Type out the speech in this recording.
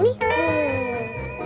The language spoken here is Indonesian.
mana gak suka hanya coba